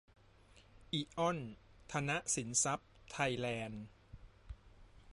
อิออน ธนสินทรัพย์ ไทยแลนด์